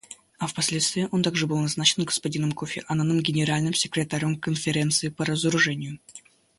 А впоследствии он также был назначен господином Кофи Аннаном Генеральным секретарем Конференции по разоружению.